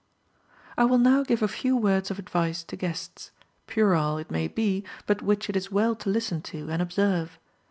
I will now give a few words of advice to guests; puerile it may be, but which it is well to listen to, and observe.